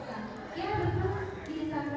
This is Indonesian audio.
aldi yang beras